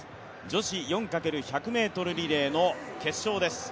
女子４×１００ｍリレーの決勝です。